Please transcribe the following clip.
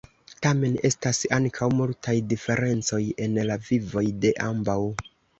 Tamen, estas ankaŭ multaj diferencoj en la vivoj de ambaŭ.